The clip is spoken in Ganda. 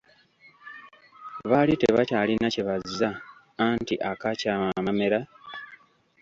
Baali tebakyalina kye bazza, anti, akaakyama amamera!